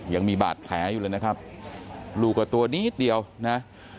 ยังมีบาดแผลอยู่เลยนะครับลูกก็ตัวนิดเดียวนะ